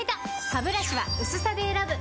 ハブラシは薄さで選ぶ！